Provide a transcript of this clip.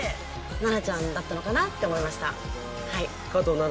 ナナちゃんだったのかなって思いました。